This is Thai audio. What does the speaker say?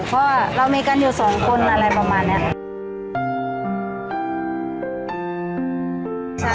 เพราะว่าเรามีกันอยู่สองคนอะไรประมาณนี้